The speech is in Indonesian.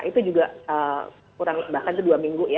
itu juga kurang bahkan itu dua minggu ya